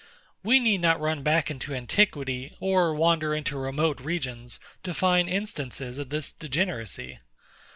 We need not run back into antiquity, or wander into remote regions, to find instances of this degeneracy.